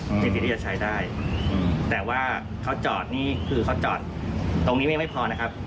จริงที่จะใช้ได้อืมแต่ว่าเขาจอดนี่คือเขาจอดตรงนี้ไม่พอนะครับ